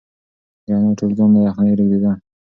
د انا ټول ځان له یخنۍ رېږدېده.